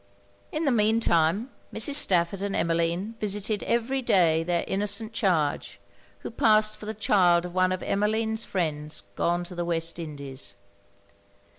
In the mean time Mrs. Stafford and Emmeline visited every day their innocent charge, who passed for the child of one of Emmeline's friends gone to the West Indies.